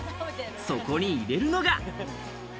そこに入れるのが。